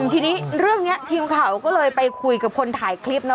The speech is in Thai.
ทีนี้เรื่องนี้ทีมข่าวก็เลยไปคุยกับคนถ่ายคลิปนะ